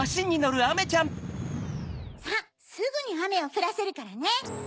さっすぐにアメをふらせるからね！